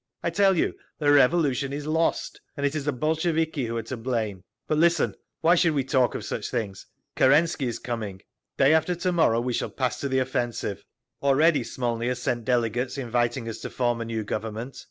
"I tell you, the Revolution is lost. And it is the Bolsheviki who are to blame. But listen—why should we talk of such things? Kerensky is coming…. Day after to morrow we shall pass to the offensive…. Already Smolny has sent delegates inviting us to form a new Government.